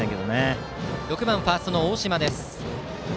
バッター６番ファーストの大島です。